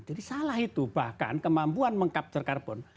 jadi salah itu bahkan kemampuan mengcapture karbon